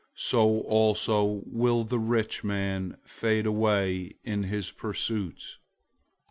So also will the rich man fade away in his pursuits.